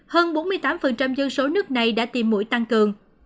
hơn bốn mươi tám dân số nước này đã tìm mũi tăng cường